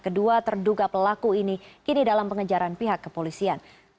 kedua terduga pelaku ini kini dalam pengejaran pihak kepolisian